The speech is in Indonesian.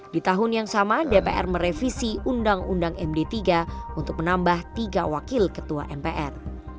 di tahun yang sama dpr merevisi undang undang md tiga untuk menambah tiga wakil ketua mpr